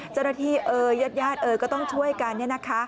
เจ้าหน้าที่เออญาติยาติเออก็ต้องช่วยกันนะคะ